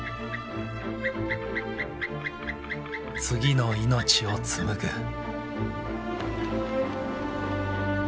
次の命を紡ぐ。